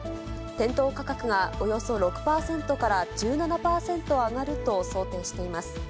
店頭価格がおよそ６％から１７％上がると想定しています。